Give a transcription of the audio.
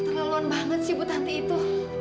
keterlaluan banget sih bu tante itu